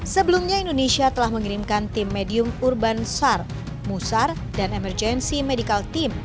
sebelumnya indonesia telah mengirimkan tim medium urban sar musar dan emergency medical team